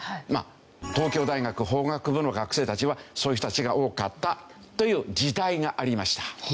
東京大学法学部の学生たちはそういう人たちが多かったという時代がありました。